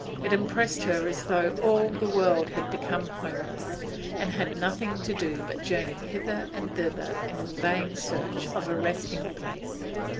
It impressed her as though all the 'world had become homeless, and had nothing to do but journey hither and thither in vain search of a resting place.